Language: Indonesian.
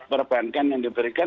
perbankan yang diberikan